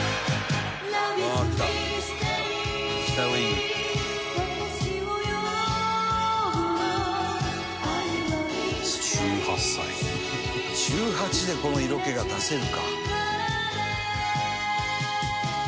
「あっきた『北ウイング』」「１８歳」「１８でこの色気が出せるか」